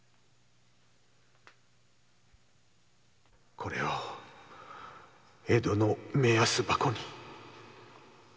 これを江戸の目安箱に